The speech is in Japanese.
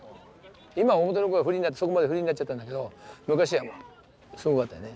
今は表の方はそこまでフリーになっちゃったんだけど昔はすごかったよね。